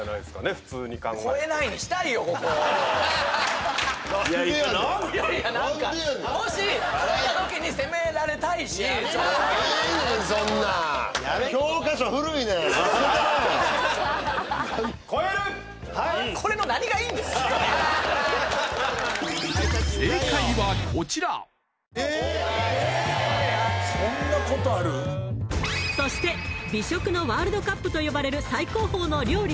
普通に考えて何でやねんいや何かいいねんそんな正解はこちらそして美食のワールドカップと呼ばれる最高峰の料理